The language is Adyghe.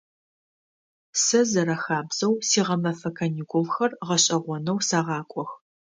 Сэ зэрэхабзэу сигъэмэфэ каникулхэр гъэшӏэгъонэу сэгъакӏох.